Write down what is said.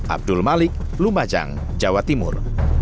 abdul malik lumajang jawa timur